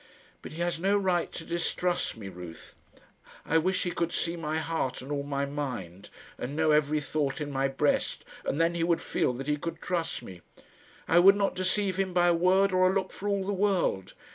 "But he has no right to distrust me, Ruth. I wish he could see my heart and all my mind, and know every thought in my breast, and then he would feel that he could trust me. I would not deceive him by a word or a look for all the world.